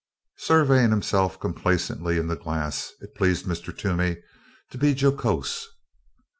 Surveying himself complacently in the glass, it pleased Mr. Toomey to be jocose.